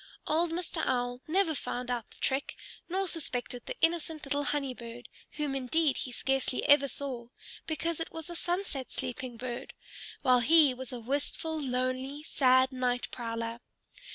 Old Mr. Owl never found out the trick, nor suspected the innocent little Honey Bird, whom indeed he scarcely ever saw, because it was a sunset sleeping bird, while he was a wistful, lonely, sad night prowler.